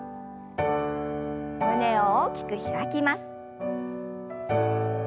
胸を大きく開きます。